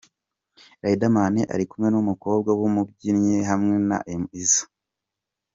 Riderman ari kumwe n’umukobwa w’umubyinnyi hamwe na M Izzo….